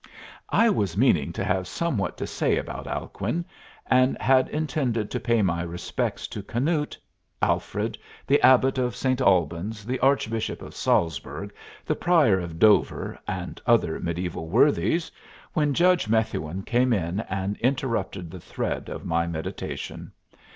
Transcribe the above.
'" I was meaning to have somewhat to say about Alcuin, and had intended to pay my respects to Canute, Alfred, the Abbot of St. Albans, the Archbishop of Salzburg, the Prior of Dover, and other mediaeval worthies, when Judge Methuen came in and interrupted the thread of my meditation.